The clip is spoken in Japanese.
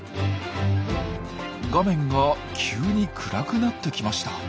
画面が急に暗くなってきました。